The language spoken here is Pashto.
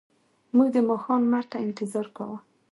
موږ د ماښام لمر ته انتظار کاوه.